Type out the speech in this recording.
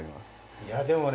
いやでもね